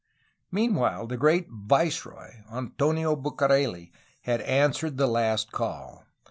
Meanwhile, the great viceroy, Antonio Bucareli, had answered the last call.